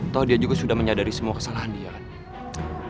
toh dia juga sudah menyadari semua kesalahan dia kan